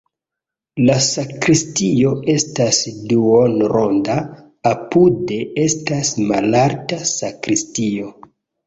La sakristio estas duonronda, apude estas malalta sakristio.